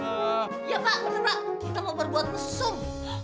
kita mau berbuat mesum